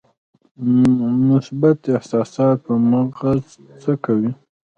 مثبت احساسات په مغز څه کوي؟